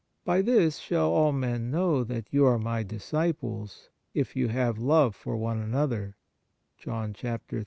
By this shall all men know that you are My disciples, if you have love one for another " (John xiii.)